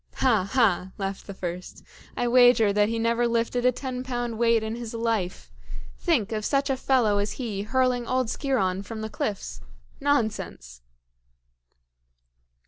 "Ha! ha!" laughed the first; "I wager that he never lifted a ten pound weight in his life. Think of such a fellow as he hurling old Sciron from the cliffs! Nonsense!"